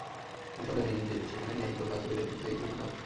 আমি সব জানি সে এখানে নেই বলে তার ছবি দেখে প্রতিদিন তুই ঠান্ডা হচ।